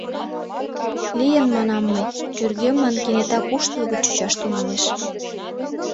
— Лийын, — манам мый, кӧргемлан кенета куштылгын чучаш тӱҥалеш.